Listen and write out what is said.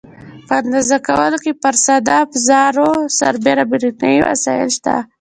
په اندازه کولو کې پر ساده افزارو سربېره برېښنایي وسایل شته.